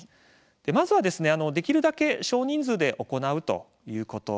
まずは、できるだけ少人数で行うということ。